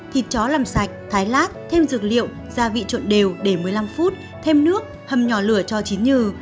thịt chó làm sạch thái lát thêm dược liệu gia vị trộn đều để một mươi năm phút thêm nước hầm nhỏ lửa cho chín nhừ